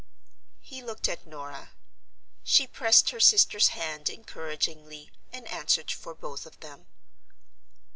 He looked at Norah. She pressed her sister's hand encouragingly, and answered for both of them.